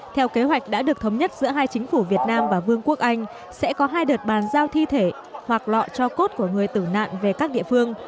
theo kế hoạch đã được thống nhất giữa hai chính phủ việt nam và vương quốc anh sẽ có hai đợt bàn giao thi thể hoặc lọ cho cốt của người tử nạn về các địa phương